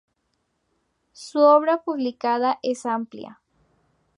Su obra publicada es amplia.